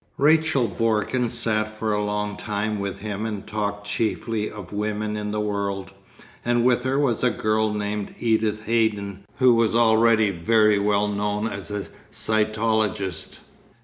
Rachel Borken sat for a long time with him and talked chiefly of women in the world, and with her was a girl named Edith Haydon who was already very well known as a cytologist.